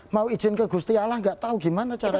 mau izin ke gusti allah gak tahu gimana cara